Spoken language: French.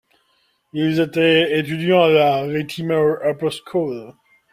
Ils étaient étudiants à la Latymer Upper School.